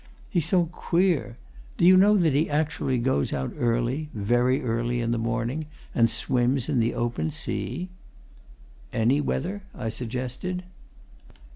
He's so queer. Do you know that he actually goes out early very early in the morning and swims in the open sea?" "Any weather?" I suggested.